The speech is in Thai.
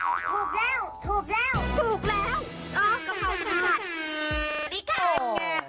อ๋อกะเพราถาด